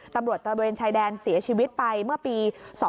ตำรวจตะเบียนชายแดนเสียชีวิตไปเมื่อปี๒๕๑๕